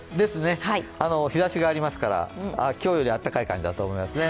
日ざしがありますから今日より暖かい感じだと思いますね。